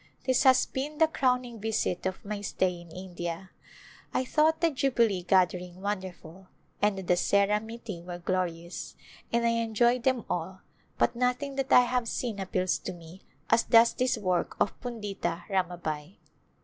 This has been the crowning visit of my stay in India. I thought the Jubilee gathering wonderful, and the Dasehra meet ings were glorious, and I enjoyed them all, but noth ing that I have seen appeals to me as does this work of Pundita Ramabai.